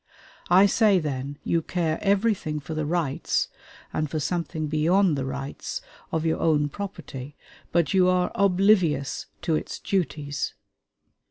I say, then, you care everything for the rights and for something beyond the rights of your own property, but you are oblivious to its duties.